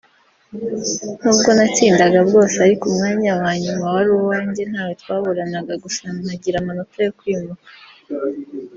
nubwo natsindaga bwose ariko umwanya wa nyuma wari uwanjye ntawe twawuburanaga gusa nkagira amanota yo kwimuka